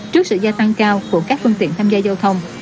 trước sự gia tăng cao của các phương tiện tham gia giao thông